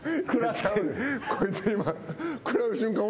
こいつ今。